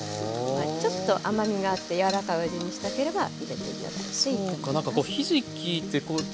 ちょっと甘みがあって柔らかいお味にしたければ入れて頂いていいと思います。